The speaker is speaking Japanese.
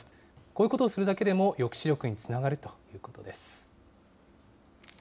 こういうことをするだけでも抑止力につながるということです。